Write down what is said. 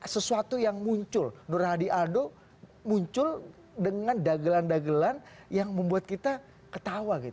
sesuatu yang muncul nur hadi aldo muncul dengan dagelan dagelan yang menyebabkan keadaan yang tidak terjadi di indonesia ini